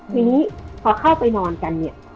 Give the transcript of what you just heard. ทีนี้พอเข้าไปนอนกันเนี่ย